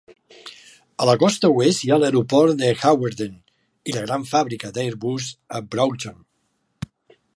A la costa oest hi ha l'aeroport de Hawarden i la gran fàbrica d'Airbus a Broughton.